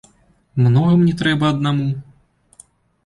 Многа мне трэба аднаму?